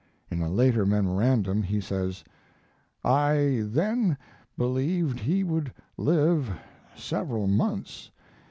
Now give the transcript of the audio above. In a later memorandum he says: I then believed he would live several months.